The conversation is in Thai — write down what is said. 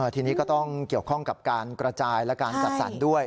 ทีนี้ก็ต้องเกี่ยวข้องกับการกระจายและการจัดสรรด้วย